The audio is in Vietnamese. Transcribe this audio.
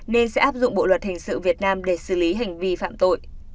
nên sẽ áp dụng bộ luật hình sự việt nam để xử lý hành vi phạm tội